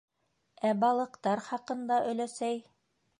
- Ә балыҡтар хаҡында, өләсәй?